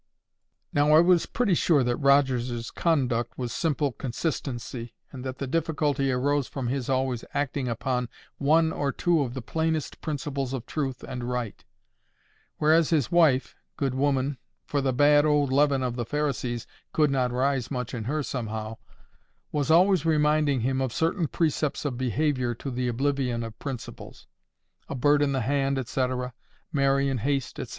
Now I was pretty sure that Rogers's conduct was simple consistency, and that the difficulty arose from his always acting upon one or two of the plainest principles of truth and right; whereas his wife, good woman—for the bad, old leaven of the Pharisees could not rise much in her somehow—was always reminding him of certain precepts of behaviour to the oblivion of principles. "A bird in the hand," &c.—"Marry in haste," &c.